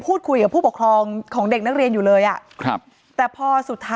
พูดคุยกับผู้ปกครองของเด็กนักเรียนอยู่เลยอ่ะครับแต่พอสุดท้าย